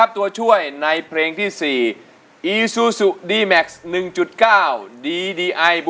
จะใช้หรือไม่ใช้ครับ